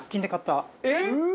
えっ！